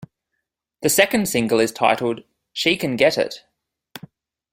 The second single is titled "She Can Get It".